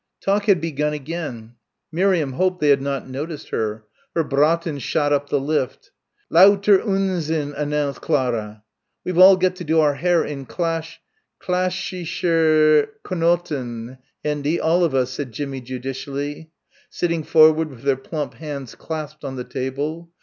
Talk had begun again. Miriam hoped they had not noticed her. Her "Braten" shot up the lift. "Lauter Unsinn!" announced Clara. "We've all got to do our hair in clash ... clashishsher Knoten, Hendy, all of us," said Jimmie judicially, sitting forward with her plump hands clasped on the table.